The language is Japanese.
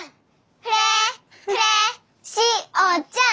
フレーフレーしおちゃん！